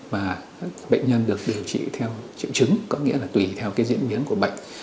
và bệnh nhân được điều trị theo triệu chứng có nghĩa là tùy theo cái diễn biến của bệnh